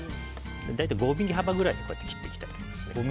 大体５ｍｍ幅ぐらいに切っていきたいと思います。